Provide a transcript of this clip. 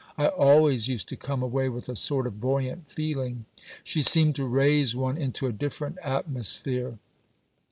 I always used to come away with a sort of buoyant feeling. She seemed to raise one into a different atmosphere."